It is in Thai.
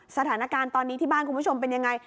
สถานการณ์ตอนนี้ที่บ้านคุณผู้ชมเป็นยังไง